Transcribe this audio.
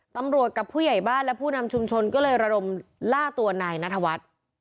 ตำรวจกับผู้ใหญ่บ้านและผู้นำชุมชนก็เลยระดมล่าตัวนายนัทวัฒน์